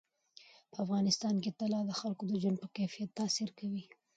په افغانستان کې طلا د خلکو د ژوند په کیفیت تاثیر کوي.